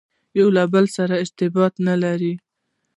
یو له بل سره ارتباط نه لري.